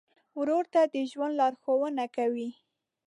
ورور ته د ژوند لارښوونه کوې.